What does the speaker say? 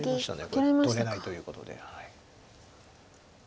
これ取れないということで。